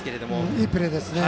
いいプレーですよね。